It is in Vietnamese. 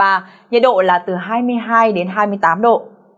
nhiệt độ là từ hai mươi hai đến hai mươi tám độ